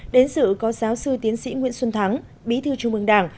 đến sự có giáo sư tiến sĩ nguyễn xuân thắng bí thư trung mương đảng